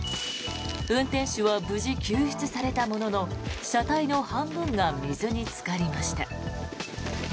運転手は無事救出されたものの車体の半分が水につかりました。